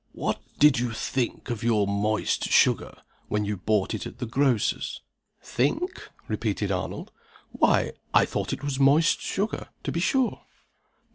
What did you think of your moist sugar when you bought it at the grocer's?" "Think?" repeated Arnold. "Why, I thought it was moist sugar, to be sure!"